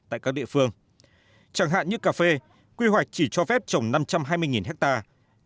tại các địa phương chẳng hạn như cà phê quy hoạch chỉ cho phép trồng năm trăm hai mươi hectare